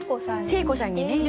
誠子さんにね。